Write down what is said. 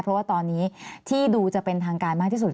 เพราะว่าตอนนี้ที่ดูจะเป็นทางการมากที่สุด